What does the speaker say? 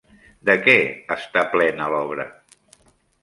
De què està plena l'obra?